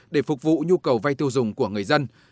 để phục vụ nhu cầu vay tiêu dùng của người dân